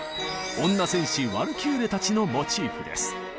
女戦士ワルキューレたちのモチーフです。